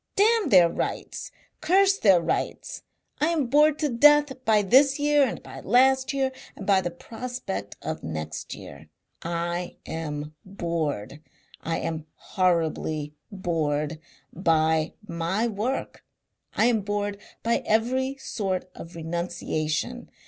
Damn their rights! Curse their rights! I am bored to death by this year and by last year and by the prospect of next year. I am bored I am horribly bored by my work. I am bored by every sort of renunciation.